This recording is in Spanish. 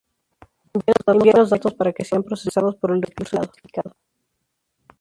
Envía los datos para que sean procesados por el recurso identificado.